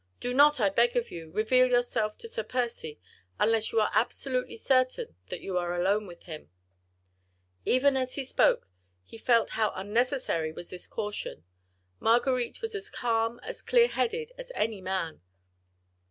Do not, I beg of you, reveal yourself to Sir Percy, unless you are absolutely certain that you are alone with him." Even as he spoke, he felt how unnecessary was this caution: Marguerite was as calm, as clear headed as any man.